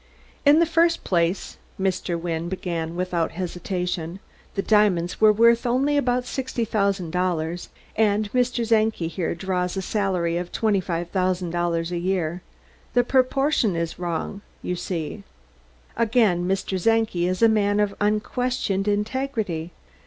"In the first place," Mr. Wynne began without hesitation, "the diamonds were worth only about sixty thousand dollars, and Mr. Czenki here draws a salary of twenty five thousand dollars a year. The proportion is wrong, you see. Again, Mr. Czenki is a man of unquestioned integrity.